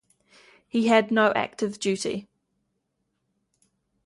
He had no active duty.